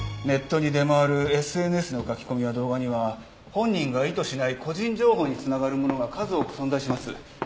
ネットに出回るＳＮＳの書き込みや動画には本人が意図しない個人情報に繋がるものが数多く存在します。